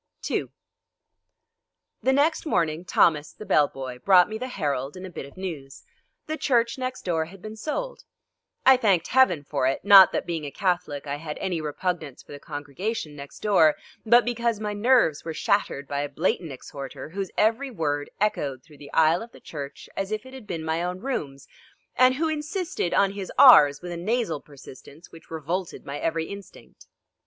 II The next morning, Thomas, the bell boy, brought me the Herald and a bit of news. The church next door had been sold. I thanked Heaven for it, not that being a Catholic I had any repugnance for the congregation next door, but because my nerves were shattered by a blatant exhorter, whose every word echoed through the aisle of the church as if it had been my own rooms, and who insisted on his r's with a nasal persistence which revolted my every instinct.